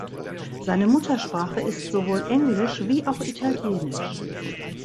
Seine Muttersprache ist sowohl Englisch wie auch Italienisch.